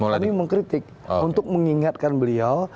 kami mengkritik untuk mengingatkan beliau